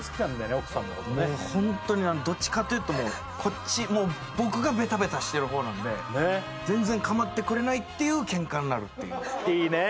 奥さんのことねもうホントにどっちかというともうこっち僕がベタベタしてる方なんでねっ全然かまってくれないっていうケンカになるっていういいねえ